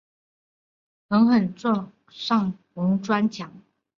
狠狠撞上红砖墙